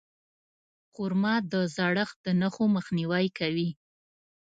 خرما د زړښت د نښو مخنیوی کوي.